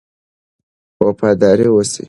وفادار اوسئ.